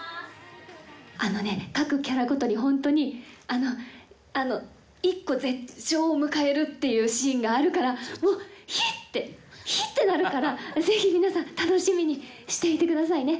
あのね各キャラごとにホントにあのあの１個絶頂を迎えるっていうシーンがあるからもうヒッてヒッてなるから是非皆さん楽しみにしていてくださいね